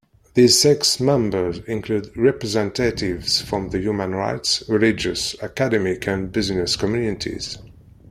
These six members include representatives from the human rights, religious, academic, and business communities.